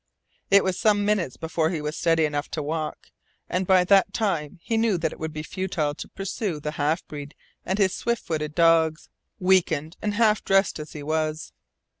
It was some minutes before he was steady enough to walk, and by that time he knew that it would be futile to pursue the half breed and his swift footed dogs, weakened and half dressed as he was.